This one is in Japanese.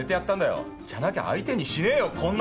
じゃなきゃ相手にしねえよこんな女！